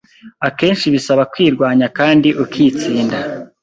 Akenshi bisaba kwirwanya kandi ukitsinda